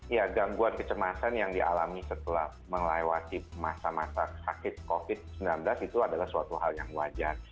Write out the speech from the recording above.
ya gangguan kecemasan yang dialami setelah melewati masa masa sakit covid sembilan belas itu adalah suatu hal yang wajar